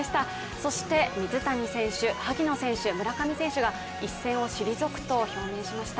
そして水谷選手、萩野選手、村上選手が一線を退くと表明されました。